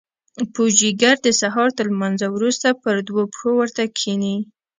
پوجيگر د سهار تر لمانځه وروسته پر دوو پښو ورته کښېني.